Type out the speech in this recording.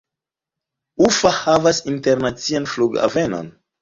Ufa havas internacian flughavenon.